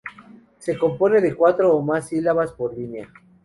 Se compone de cuatro o más sílabas por línea.